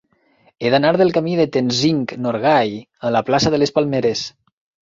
He d'anar del camí de Tenzing Norgay a la plaça de les Palmeres.